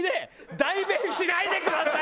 「大便しないでください！」